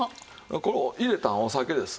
これ入れたんお酒です。